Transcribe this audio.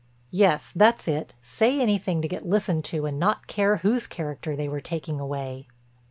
"Yes, that's it. Say anything to get listened to and not care whose character they were taking away."